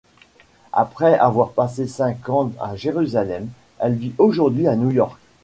Après avoir passé cinq ans à Jérusalem, elle vit aujourd'hui à New York.